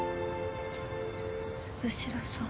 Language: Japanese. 鈴代さん。